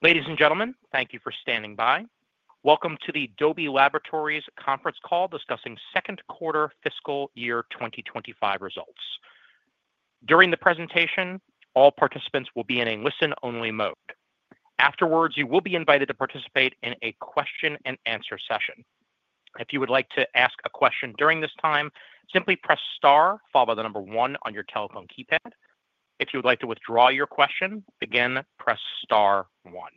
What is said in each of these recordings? Ladies and gentlemen, thank you for standing by. Welcome to the Dolby Laboratories conference call discussing Q2 fiscal year 2025 results. During the presentation, all participants will be in a listen-only mode. Afterwards, you will be invited to participate in a question-and-answer session. If you would like to ask a question during this time, simply press star followed by the number one on your telephone keypad. If you would like to withdraw your question, again, press star one.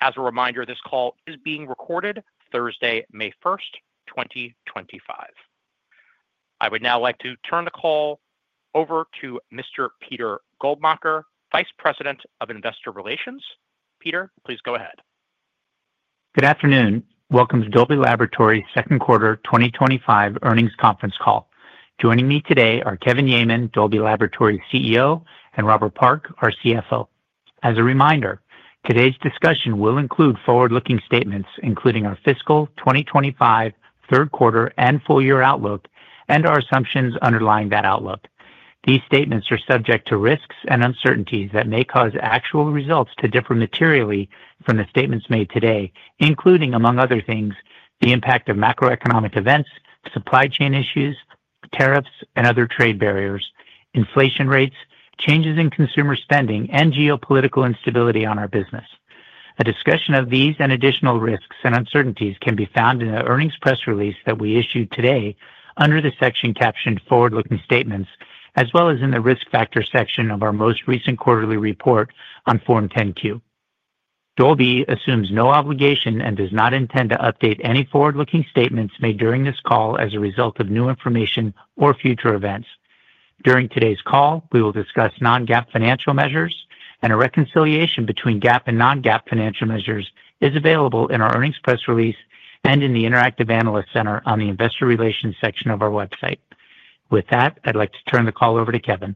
As a reminder, this call is being recorded Thursday, May 1, 2025. I would now like to turn the call over to Mr. Peter Goldmacher, Vice President of Investor Relations. Peter, please go ahead. Good afternoon. Welcome to Dolby Laboratories Q2 2025 earnings conference call. Joining me today are Kevin Yeaman, Dolby Laboratories CEO, and Robert Park, our CFO. As a reminder, today's discussion will include forward-looking statements, including our fiscal 2025 Q3 and full-year outlook, and our assumptions underlying that outlook. These statements are subject to risks and uncertainties that may cause actual results to differ materially from the statements made today, including, among other things, the impact of macroeconomic events, supply chain issues, tariffs, and other trade barriers, inflation rates, changes in consumer spending, and geopolitical instability on our business. A discussion of these and additional risks and uncertainties can be found in the earnings press release that we issued today under the section captioned "Forward-Looking Statements," as well as in the risk factor section of our most recent quarterly report on Form 10-Q. Dolby assumes no obligation and does not intend to update any forward-looking statements made during this call as a result of new information or future events. During today's call, we will discuss non-GAAP financial measures, and a reconciliation between GAAP and non-GAAP financial measures is available in our earnings press release and in the Interactive Analyst Center on the Investor Relations section of our website. With that, I'd like to turn the call over to Kevin.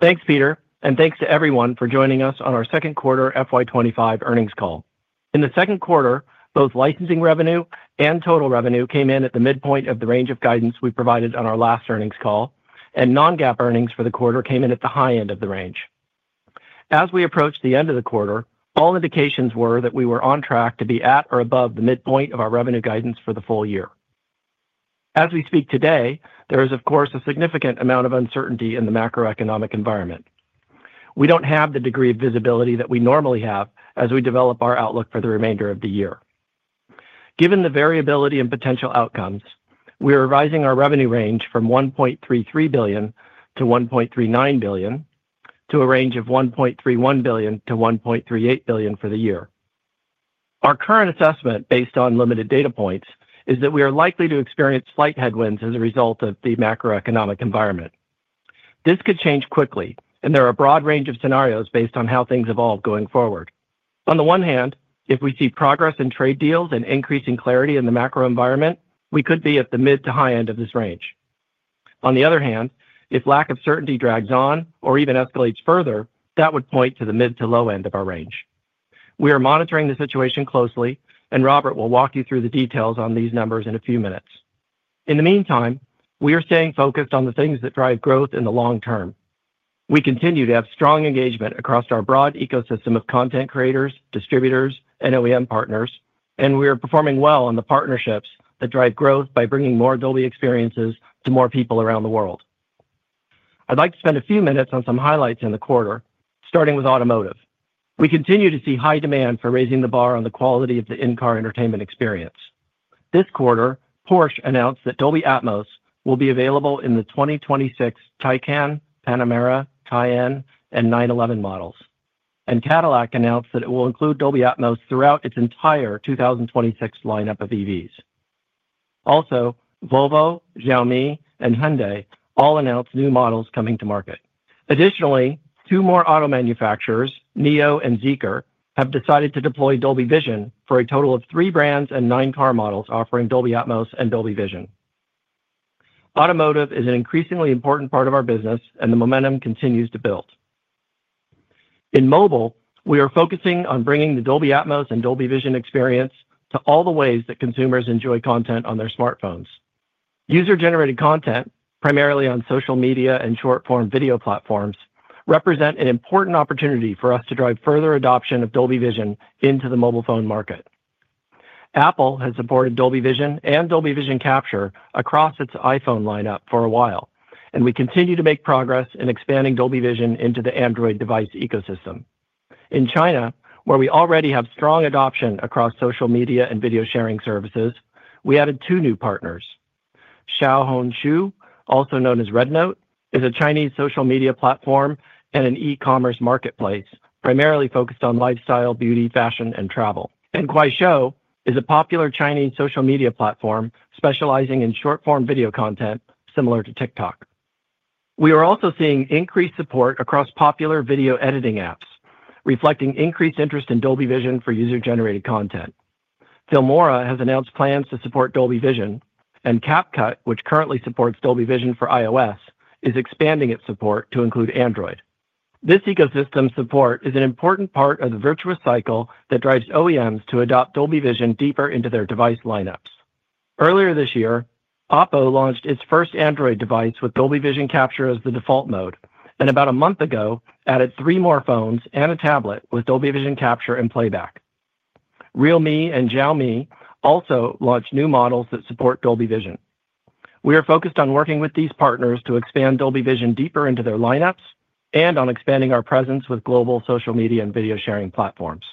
Thanks, Peter, and thanks to everyone for joining us on our Q2 FY25 earnings call. In the Q2, both licensing revenue and total revenue came in at the midpoint of the range of guidance we provided on our last earnings call, and non-GAAP earnings for the quarter came in at the high end of the range. As we approached the end of the quarter, all indications were that we were on track to be at or above the midpoint of our revenue guidance for the full year. As we speak today, there is, of course, a significant amount of uncertainty in the macroeconomic environment. We do not have the degree of visibility that we normally have as we develop our outlook for the remainder of the year. Given the variability and potential outcomes, we are revising our revenue range from $1.33 billion-$1.39 billion to a range of $1.31 billion-$1.38 billion for the year. Our current assessment, based on limited data points, is that we are likely to experience slight headwinds as a result of the macroeconomic environment. This could change quickly, and there are a broad range of scenarios based on how things evolve going forward. On the one hand, if we see progress in trade deals and increasing clarity in the macro environment, we could be at the mid to high end of this range. On the other hand, if lack of certainty drags on or even escalates further, that would point to the mid to low end of our range. We are monitoring the situation closely, and Robert will walk you through the details on these numbers in a few minutes. In the meantime, we are staying focused on the things that drive growth in the long term. We continue to have strong engagement across our broad ecosystem of content creators, distributors, and OEM partners, and we are performing well on the partnerships that drive growth by bringing more Dolby experiences to more people around the world. I'd like to spend a few minutes on some highlights in the quarter, starting with automotive. We continue to see high demand for raising the bar on the quality of the in-car entertainment experience. This quarter, Porsche announced that Dolby Atmos will be available in the 2026 Taycan, Panamera, Cayenne, and 911 models, and Cadillac announced that it will include Dolby Atmos throughout its entire 2026 lineup of EVs. Also, Volvo, Xiaomi, and Hyundai all announced new models coming to market. Additionally, two more auto manufacturers, NIO and Zeekr, have decided to deploy Dolby Vision for a total of three brands and nine car models offering Dolby Atmos and Dolby Vision. Automotive is an increasingly important part of our business, and the momentum continues to build. In mobile, we are focusing on bringing the Dolby Atmos and Dolby Vision experience to all the ways that consumers enjoy content on their smartphones. User-generated content, primarily on social media and short-form video platforms, represents an important opportunity for us to drive further adoption of Dolby Vision into the mobile phone market. Apple has supported Dolby Vision and Dolby Vision Capture across its iPhone lineup for a while, and we continue to make progress in expanding Dolby Vision into the Android device ecosystem. In China, where we already have strong adoption across social media and video sharing services, we added two new partners. Xiaohongshu, also known as Rednote, is a Chinese social media platform and an e-commerce marketplace primarily focused on lifestyle, beauty, fashion, and travel, and Kuaishou is a popular Chinese social media platform specializing in short-form video content similar to TikTok. We are also seeing increased support across popular video editing apps, reflecting increased interest in Dolby Vision for user-generated content. Filmora has announced plans to support Dolby Vision, and CapCut, which currently supports Dolby Vision for iOS, is expanding its support to include Android. This ecosystem support is an important part of the virtuous cycle that drives OEMs to adopt Dolby Vision deeper into their device lineups. Earlier this year, Oppo launched its first Android device with Dolby Vision Capture as the default mode, and about a month ago, added three more phones and a tablet with Dolby Vision Capture and playback. Realme and Xiaomi also launched new models that support Dolby Vision. We are focused on working with these partners to expand Dolby Vision deeper into their lineups and on expanding our presence with global social media and video sharing platforms.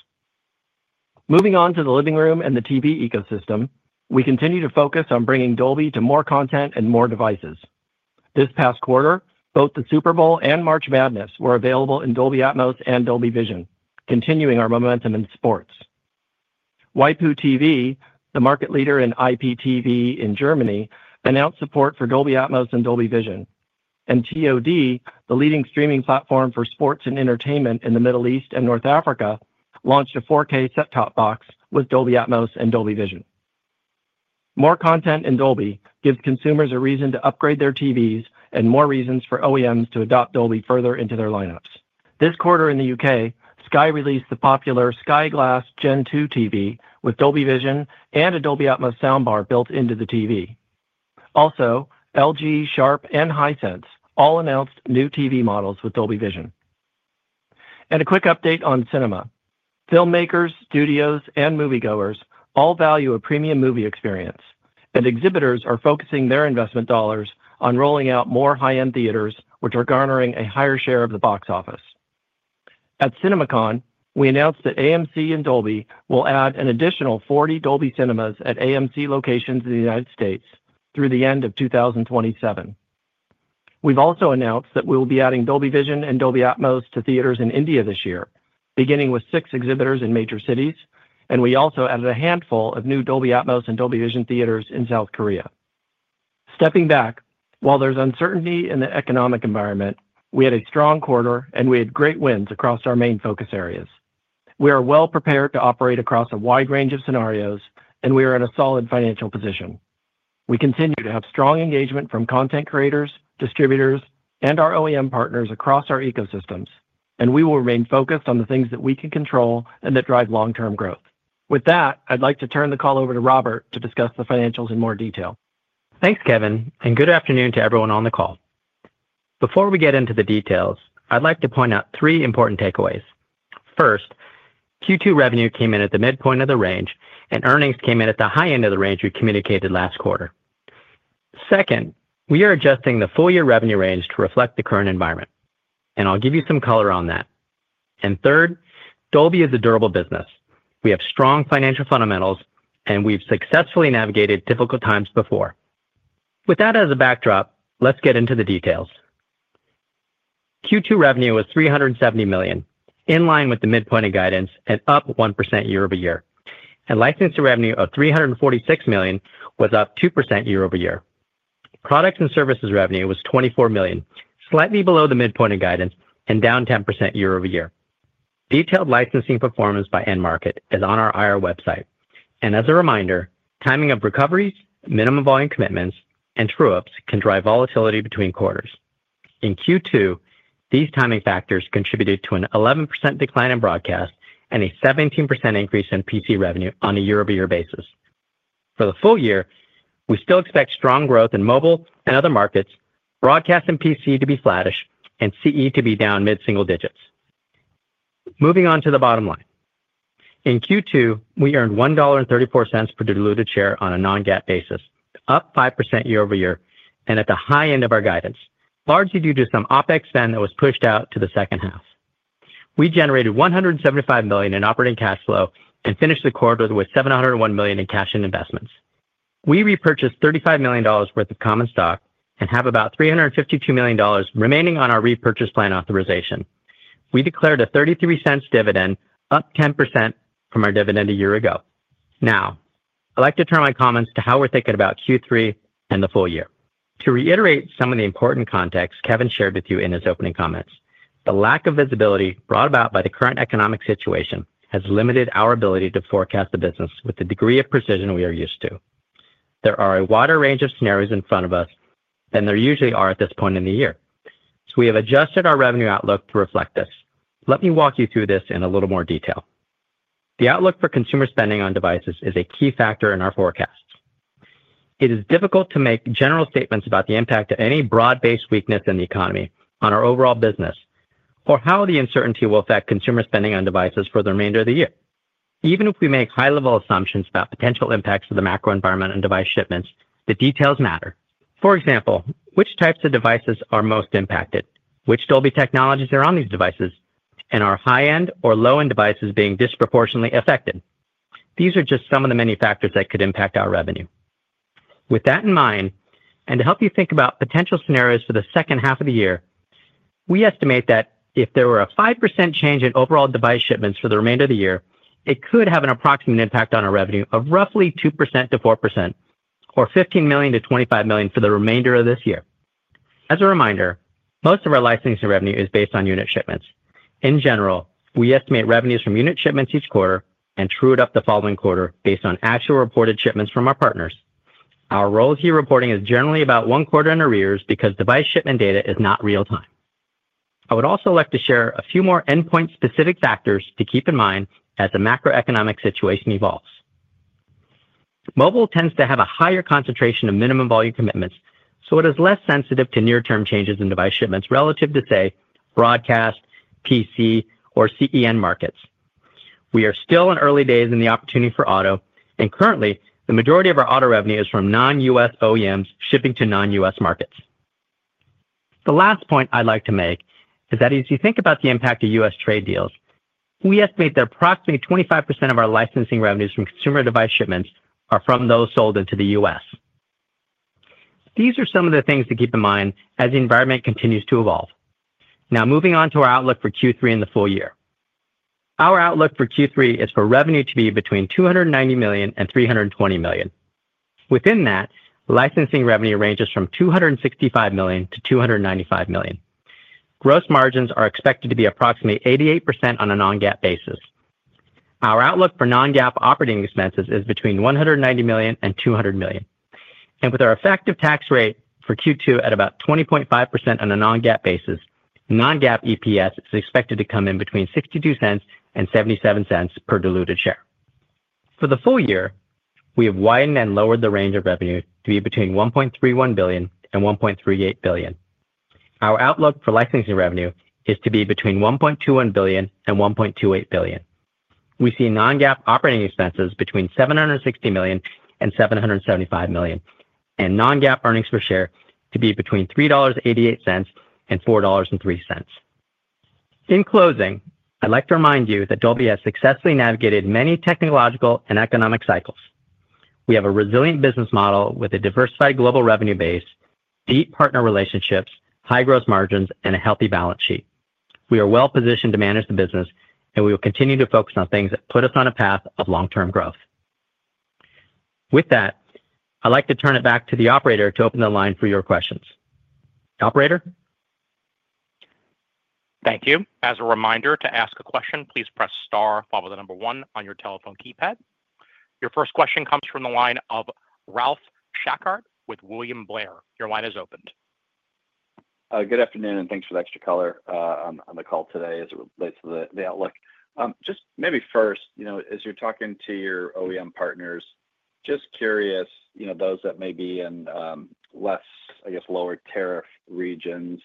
Moving on to the living room and the TV ecosystem, we continue to focus on bringing Dolby to more content and more devices. This past quarter, both the Super Bowl and March Madness were available in Dolby Atmos and Dolby Vision, continuing our momentum in sports. Waipu TV, the market leader in IPTV in Germany, announced support for Dolby Atmos and Dolby Vision, and TOD, the leading streaming platform for sports and entertainment in the Middle East and North Africa, launched a 4K set-top box with Dolby Atmos and Dolby Vision. More content in Dolby gives consumers a reason to upgrade their TVs and more reasons for OEMs to adopt Dolby further into their lineups. This quarter in the U.K., Sky released the popular Sky Glass Gen 2 TV with Dolby Vision and a Dolby Atmos soundbar built into the TV. Also, LG, Sharp, and Hisense all announced new TV models with Dolby Vision. A quick update on cinema. Filmmakers, studios, and moviegoers all value a premium movie experience, and exhibitors are focusing their investment dollars on rolling out more high-end theaters, which are garnering a higher share of the box office. At CinemaCon, we announced that AMC and Dolby will add an additional 40 Dolby Cinemas at AMC locations in the United States through the end of 2027. We've also announced that we will be adding Dolby Vision and Dolby Atmos to theaters in India this year, beginning with six exhibitors in major cities, and we also added a handful of new Dolby Atmos and Dolby Vision theaters in South Korea. Stepping back, while there's uncertainty in the economic environment, we had a strong quarter, and we had great wins across our main focus areas. We are well prepared to operate across a wide range of scenarios, and we are in a solid financial position. We continue to have strong engagement from content creators, distributors, and our OEM partners across our ecosystems, and we will remain focused on the things that we can control and that drive long-term growth. With that, I'd like to turn the call over to Robert to discuss the financials in more detail. Thanks, Kevin, and good afternoon to everyone on the call. Before we get into the details, I'd like to point out three important takeaways. First, Q2 revenue came in at the midpoint of the range, and earnings came in at the high end of the range we communicated last quarter. Second, we are adjusting the full-year revenue range to reflect the current environment, and I'll give you some color on that. Third, Dolby is a durable business. We have strong financial fundamentals, and we've successfully navigated difficult times before. With that as a backdrop, let's get into the details. Q2 revenue was $370 million, in line with the midpoint of guidance and up 1% year-over-year, and licensing revenue of $346 million was up 2% year-over-year. Product and services revenue was $24 million, slightly below the midpoint of guidance and down 10% year-over-year. Detailed licensing performance by end market is on our IR website, and as a reminder, timing of recoveries, minimum volume commitments, and true-ups can drive volatility between quarters. In Q2, these timing factors contributed to an 11% decline in broadcast and a 17% increase in PC revenue on a year-over-year basis. For the full year, we still expect strong growth in mobile and other markets, broadcast and PC to be flattish, and CE to be down mid-single digits. Moving on to the bottom line. In Q2, we earned $1.34 per diluted share on a non-GAAP basis, up 5% year-over-year, and at the high end of our guidance, largely due to some OpEx spend that was pushed out to the second half. We generated $175 million in operating cash flow and finished the quarter with $701 million in cash and investments. We repurchased $35 million worth of common stock and have about $352 million remaining on our repurchase plan authorization. We declared a $0.33 dividend, up 10% from our dividend a year ago. Now, I'd like to turn my comments to how we're thinking about Q3 and the full year. To reiterate some of the important context Kevin shared with you in his opening comments, the lack of visibility brought about by the current economic situation has limited our ability to forecast the business with the degree of precision we are used to. There are a wider range of scenarios in front of us than there usually are at this point in the year, so we have adjusted our revenue outlook to reflect this. Let me walk you through this in a little more detail. The outlook for consumer spending on devices is a key factor in our forecasts. It is difficult to make general statements about the impact of any broad-based weakness in the economy on our overall business or how the uncertainty will affect consumer spending on devices for the remainder of the year. Even if we make high-level assumptions about potential impacts of the macro environment on device shipments, the details matter. For example, which types of devices are most impacted, which Dolby technologies are on these devices, and are high-end or low-end devices being disproportionately affected? These are just some of the many factors that could impact our revenue. With that in mind, and to help you think about potential scenarios for the second half of the year, we estimate that if there were a 5% change in overall device shipments for the remainder of the year, it could have an approximate impact on our revenue of 2%-4% or $15 million-$25 million for the remainder of this year. As a reminder, most of our licensing revenue is based on unit shipments. In general, we estimate revenues from unit shipments each quarter and true it up the following quarter based on actual reported shipments from our partners. Our royaltiess here reporting is generally about one quarter in arrears because device shipment data is not real-time. I would also like to share a few more endpoint-specific factors to keep in mind as the macroeconomic situation evolves. Mobile tends to have a higher concentration of minimum volume commitments, so it is less sensitive to near-term changes in device shipments relative to, say, broadcast, PC, or CEN markets. We are still in early days in the opportunity for auto, and currently, the majority of our auto revenue is from non-U.S. OEMs shipping to non-U.S. markets. The last point I'd like to make is that as you think about the impact of U.S. trade deals, we estimate that approximately 25% of our licensing revenues from consumer device shipments are from those sold into the U.S. These are some of the things to keep in mind as the environment continues to evolve. Now, moving on to our outlook for Q3 in the full year. Our outlook for Q3 is for revenue to be between $290 million and $320 million. Within that, licensing revenue ranges from $265 million-$295 million. Gross margins are expected to be approximately 88% on a non-GAAP basis. Our outlook for non-GAAP operating expenses is between $190 million and $200 million. With our effective tax rate for Q2 at about 20.5% on a non-GAAP basis, non-GAAP EPS is expected to come in between $0.62 and $0.77 per diluted share. For the full year, we have widened and lowered the range of revenue to be between $1.31 billion and $1.38 billion. Our outlook for licensing revenue is to be between $1.21 billion and $1.28 billion. We see non-GAAP operating expenses between $760 million and $775 million, and non-GAAP earnings per share to be between $3.88 and $4.03. In closing, I'd like to remind you that Dolby has successfully navigated many technological and economic cycles. We have a resilient business model with a diversified global revenue base, deep partner relationships, high gross margins, and a healthy balance sheet. We are well positioned to manage the business, and we will continue to focus on things that put us on a path of long-term growth. With that, I'd like to turn it back to the operator to open the line for your questions. Operator? Thank you. As a reminder, to ask a question, please press star, followed by the number one on your telephone keypad. Your first question comes from the line of Ralph Schackart with William Blair. Your line is opened. Good afternoon, and thanks for the extra color on the call today as it relates to the outlook. Just maybe first, as you're talking to your OEM partners, just curious, those that may be in less, I guess, lower tariff regions,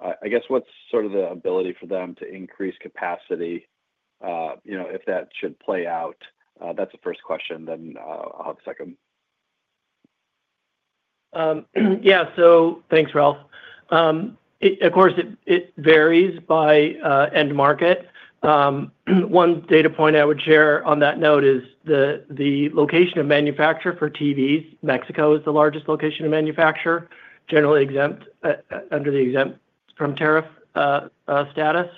I guess, what's sort of the ability for them to increase capacity if that should play out? That's the first question. Then I'll have a second. Yeah, so thanks, Ralph. Of course, it varies by end market. One data point I would share on that note is the location of manufacture for TVs. Mexico is the largest location of manufacture, generally exempt under the exempt from tariff status.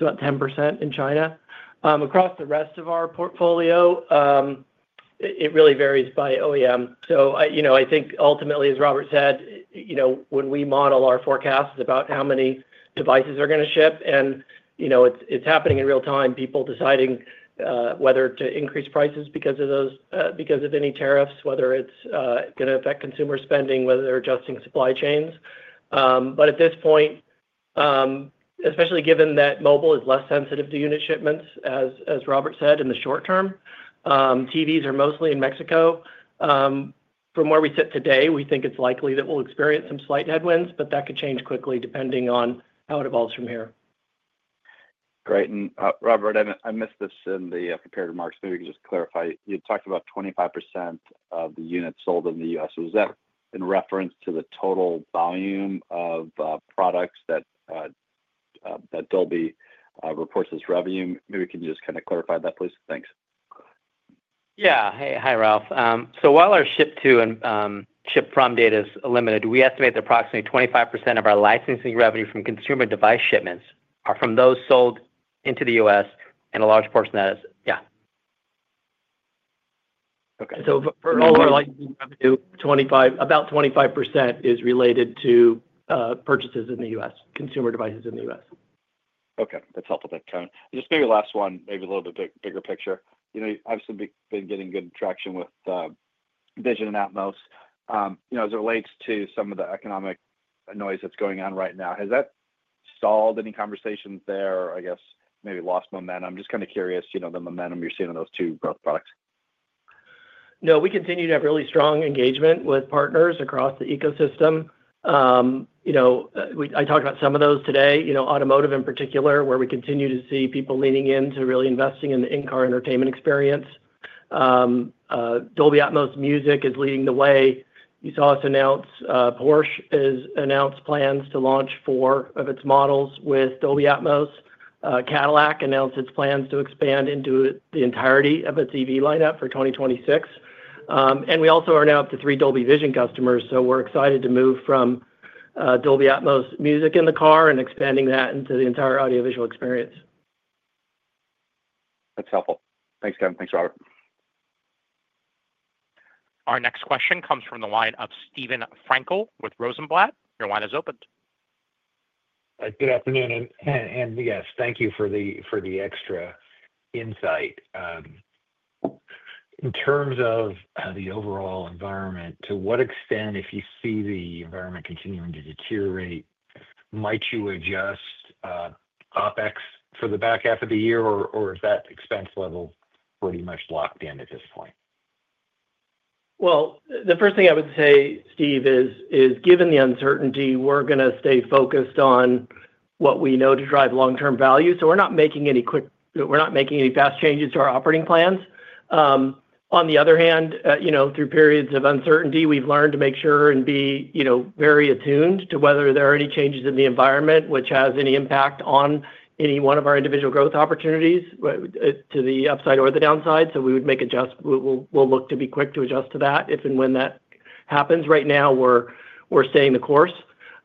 It is about 10% in China. Across the rest of our portfolio, it really varies by OEM. I think ultimately, as Robert said, when we model our forecasts about how many devices are going to ship, and it is happening in real time, people deciding whether to increase prices because of any tariffs, whether it is going to affect consumer spending, whether they are adjusting supply chains. At this point, especially given that mobile is less sensitive to unit shipments, as Robert said, in the short term, TVs are mostly in Mexico. From where we sit today, we think it's likely that we'll experience some slight headwinds, but that could change quickly depending on how it evolves from here. Great. Robert, I missed this in the comparative marks. Maybe we could just clarify. You talked about 25% of the units sold in the U.S. Was that in reference to the total volume of products that Dolby reports as revenue? Maybe can you just kind of clarify that, please? Thanks. Yeah. Hey, hi, Ralph. While our ship-to and ship-from data is limited, we estimate that approximately 25% of our licensing revenue from consumer device shipments are from those sold into the US, and a large portion of that is, yeah. Okay. For mobile, I think about 25% is related to purchases in the U.S., consumer devices in the U.S. Okay. That's helpful to kind of just maybe last one, maybe a little bit bigger picture. You know, you obviously have been getting good traction with Vision and Atmos. As it relates to some of the economic noise that's going on right now, has that stalled any conversations there or, I guess, maybe lost momentum? I'm just kind of curious the momentum you're seeing on those two growth products. No, we continue to have really strong engagement with partners across the ecosystem. I talked about some of those today, automotive in particular, where we continue to see people leaning into really investing in the in-car entertainment experience. Dolby Atmos Music is leading the way. You saw us announce Porsche has announced plans to launch four of its models with Dolby Atmos. Cadillac announced its plans to expand into the entirety of its EV lineup for 2026. We also are now up to three Dolby Vision customers, so we're excited to move from Dolby Atmos Music in the car and expanding that into the entire audiovisual experience. That's helpful. Thanks, Kevin. Thanks, Robert. Our next question comes from the line of Steven Frankel with Rosenblatt. Your line is open. Good afternoon. Yes, thank you for the extra insight. In terms of the overall environment, to what extent, if you see the environment continuing to deteriorate, might you adjust OpEx for the back half of the year, or is that expense level pretty much locked in at this point? The first thing I would say, Steve, is given the uncertainty, we're going to stay focused on what we know to drive long-term value. We're not making any quick, we're not making any fast changes to our operating plans. On the other hand, through periods of uncertainty, we've learned to make sure and be very attuned to whether there are any changes in the environment which have any impact on any one of our individual growth opportunities, to the upside or the downside. We would make adjust, we'll look to be quick to adjust to that if and when that happens. Right now, we're staying the course.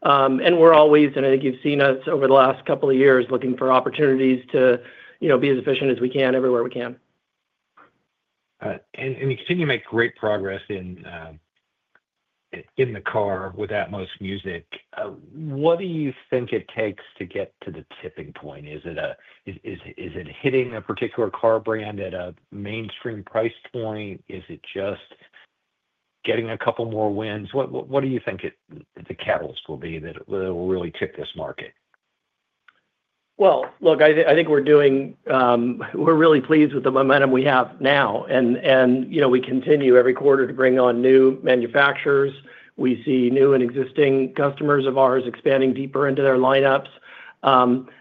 We're always, and I think you've seen us over the last couple of years, looking for opportunities to be as efficient as we can everywhere we can. You continue to make great progress in the car with Atmos Music. What do you think it takes to get to the tipping point? Is it hitting a particular car brand at a mainstream price point? Is it just getting a couple more wins? What do you think the catalyst will be that will really tip this market? I think we're really pleased with the momentum we have now. We continue every quarter to bring on new manufacturers. We see new and existing customers of ours expanding deeper into their lineups.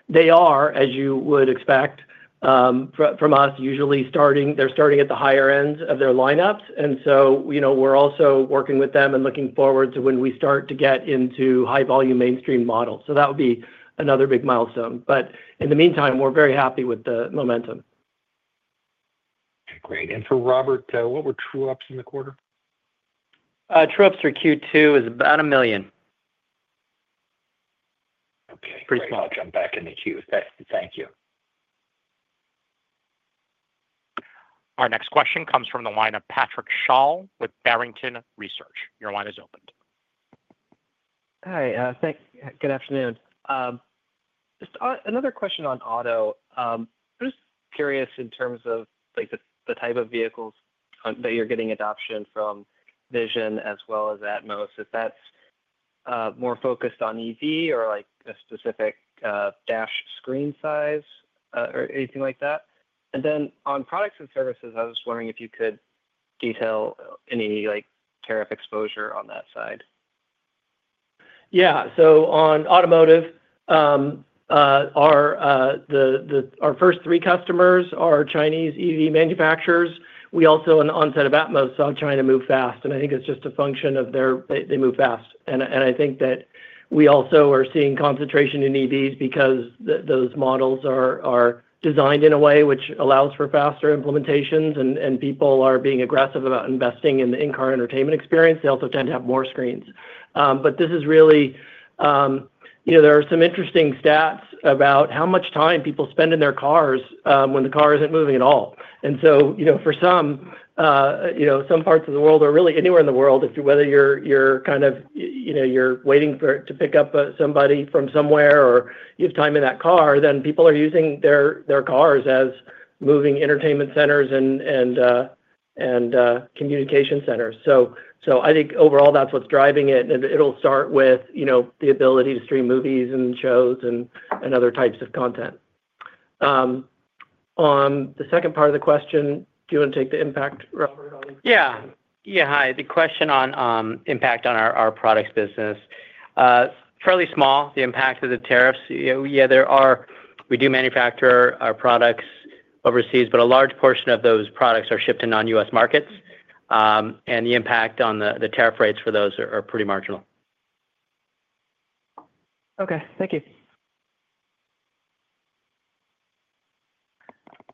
They are, as you would expect from us, usually starting at the higher ends of their lineups. We are also working with them and looking forward to when we start to get into high-volume mainstream models. That would be another big milestone. In the meantime, we're very happy with the momentum. Okay. Great. For Robert, what were true ups in the quarter? True ups for Q2 is about $1 million. Okay. Pretty small jump back into Q. Thank you. Our next question comes from the line of Patrick Sholl with Barrington Research. Your line is opened. Hi. Thanks. Good afternoon. Just another question on auto. I'm just curious in terms of the type of vehicles that you're getting adoption from Vision as well as Atmos. Is that more focused on EV or a specific dash screen size or anything like that? On products and services, I was wondering if you could detail any tariff exposure on that side. Yeah. On automotive, our first three customers are Chinese EV manufacturers. We also, on the onset of Atmos, saw China move fast. I think it's just a function of their—they move fast. I think that we also are seeing concentration in EVs because those models are designed in a way which allows for faster implementations, and people are being aggressive about investing in the in-car entertainment experience. They also tend to have more screens. This is really—there are some interesting stats about how much time people spend in their cars when the car isn't moving at all. For some parts of the world, or really anywhere in the world, whether you're waiting to pick up somebody from somewhere or you have time in that car, people are using their cars as moving entertainment centers and communication centers. I think overall, that's what's driving it. It'll start with the ability to stream movies and shows and other types of content. On the second part of the question, do you want to take the impact, Robert, on? Yeah. Yeah. Hi. The question on impact on our products business. Fairly small, the impact of the tariffs. Yeah, we do manufacture our products overseas, but a large portion of those products are shipped to non-U.S. markets. The impact on the tariff rates for those are pretty marginal. Okay. Thank you.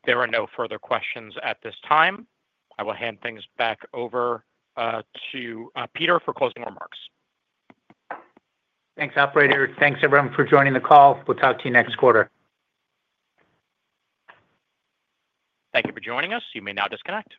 There are no further questions at this time. I will hand things back over to Peter for closing remarks. Thanks, operator. Thanks, everyone, for joining the call. We'll talk to you next quarter. Thank you for joining us. You may now disconnect.